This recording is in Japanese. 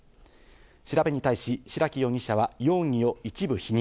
調べに対し、白木容疑者は容疑を一部否認。